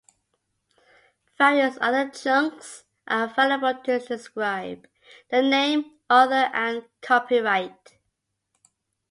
Various other chunks are available to describe the name, author and copyright.